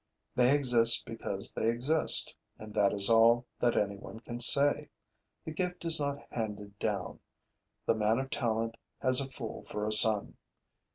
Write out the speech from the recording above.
They exist because they exist; and that is all that any one can say. The gift is not handed down: the man of talent has a fool for a son.